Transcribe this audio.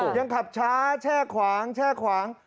ยังขับช้าแช่ขวาง